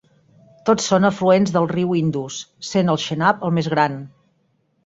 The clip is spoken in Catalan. Tots són afluents del riu Indus, sent el Chenab el més gran.